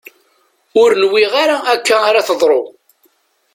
Ur nwiɣ ara akka ara teḍru.